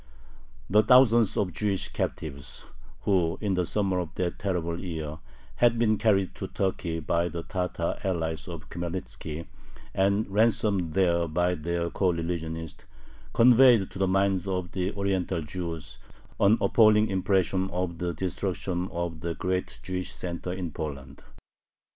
The thousands of Jewish captives, who in the summer of that terrible year had been carried to Turkey by the Tatar allies of Khmelnitzki and ransomed there by their coreligionists, conveyed to the minds of the Oriental Jews an appalling impression of the destruction of the great Jewish center in Poland.